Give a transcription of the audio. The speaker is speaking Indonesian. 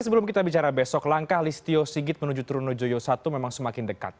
sebelum kita bicara besok langkah listio sigit menuju trunojoyo satu memang semakin dekat